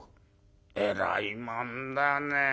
偉いもんだね。